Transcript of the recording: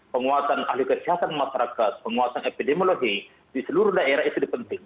penguatan ahli kesehatan masyarakat penguatan epidemiologi di seluruh daerah itu penting